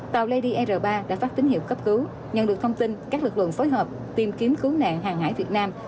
tàu ledr ba đã phát tín hiệu cấp cứu nhận được thông tin các lực lượng phối hợp tìm kiếm cứu nạn hàng hải việt nam